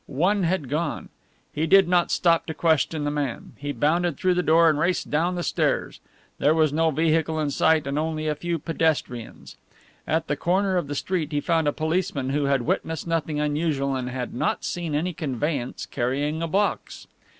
One had gone. He did not stop to question the man. He bounded through the door and raced down the stairs. There was no vehicle in sight and only a few pedestrians. At the corner of the street he found a policeman who had witnessed nothing unusual and had not seen any conveyance carrying a box.